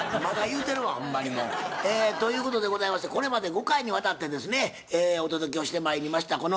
まだ言うてるわほんまにもう。ということでございましてこれまで５回にわたってですねお届けをしてまいりました